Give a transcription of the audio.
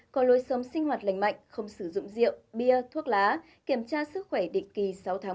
có lối sống sinh hoạt lành mạnh không sử dụng rượu bia thuốc lá kiểm tra sức khỏe định kỳ sáu tháng